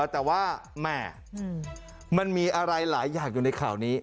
แต่ว่าแหม่มันมีอะไรหลายอย่างอยู่ในข่าวนี้